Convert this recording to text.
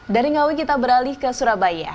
dari ngawi kita beralih ke surabaya